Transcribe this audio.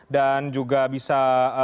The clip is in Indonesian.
dan juga bisa